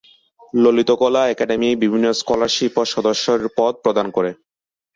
Lalit Kala Akademi বিভিন্ন scholarship ও সদস্য পদ প্রদান করে।